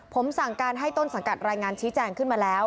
ผมสั่งการให้ต้นสังกัดรายงานชี้แจงขึ้นมาแล้ว